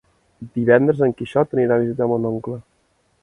Divendres en Quixot anirà a visitar mon oncle.